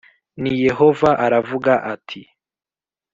ni Yehova aravuga ati